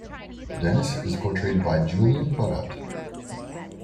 Dennis is portrayed by Julian Barratt.